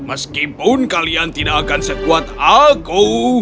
meskipun kalian tidak akan sekuat aku